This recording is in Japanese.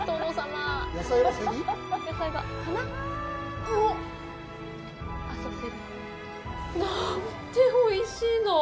うおっ！なんておいしいの？